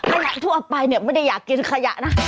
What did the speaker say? ขยะทั่วไปเนี่ยไม่ได้อยากกินขยะนะ